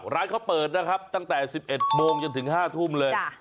ร้านเขาเปิดนะครับตั้งแต่๑๑โมงจนถึง๕ทุ่มเลย